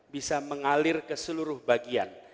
bisa mengalir ke seluruh bagian